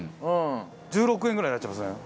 １６円ぐらいになっちゃいますね。